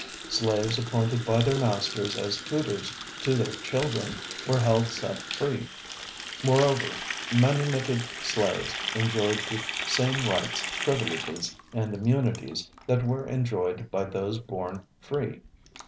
Slaves appointed by their masters as tutors to their children were held set free. Moreover, manumitted slaves enjoyed the same rights, privileges and immunities that were enjoyed by those born free.